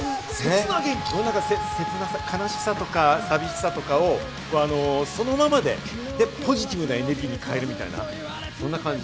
何か、切なさ、悲しさとか寂しさとかをそのままで、ポジティブなエネルギーに変えるみたいなそんな感じ。